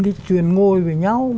cái chuyển ngồi với nhau